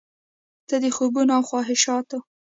ته د خوبونو او خواهشاتو،